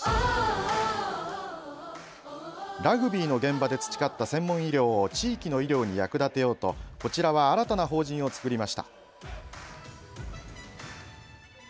ラグビーの現場で培った専門医療を地域の医療に役立てようとこちらは新たな法人を作りました。